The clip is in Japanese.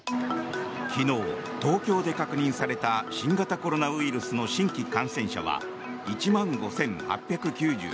昨日、東京で確認された新型コロナウイルスの新規感染者は１万５８９５人。